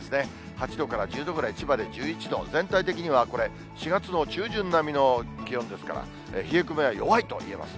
８度から１０度ぐらい、千葉で１１度、全体的にはこれ、４月の中旬並みの気温ですから、冷え込みは弱いと言えます。